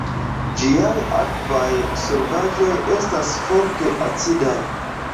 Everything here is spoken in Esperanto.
Ĝiaj akvaj solvaĵoj estas forte acidaj.